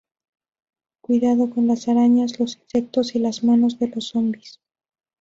Cuidado con las arañas, los insectos y las manos de los zombies.